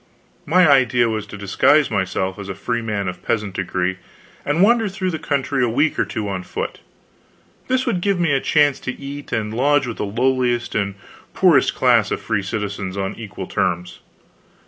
My idea was to disguise myself as a freeman of peasant degree and wander through the country a week or two on foot. This would give me a chance to eat and lodge with the lowliest and poorest class of free citizens on equal terms.